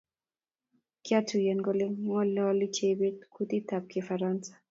Kyautyen kole ngololi Chebet kutitab kifaransa